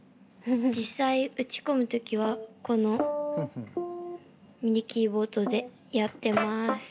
実際打ち込む時はこのＭＩＤＩキーボードでやってます。